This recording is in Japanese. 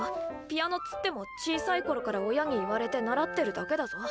ピアノっつっても小さい頃から親に言われて習ってるだけだぞ。